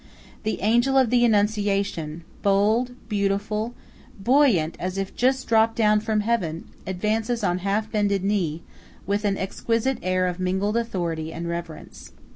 The Angel of the Annunciation–bold, beautiful, buoyant as if just dropt down from heaven–advances on half bended knee, with an exquisite air of mingled authority and reverence.